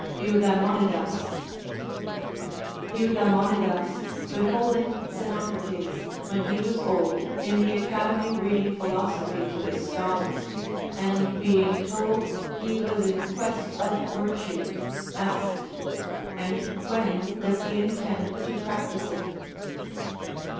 EuDAEMONiDAS. Eudaemouidas beholding Xenocrates, Avhen he was old, in the Academy reading philosophy to his scholars, and being told he was in quest of virtue, asked : And when does he intend to practise it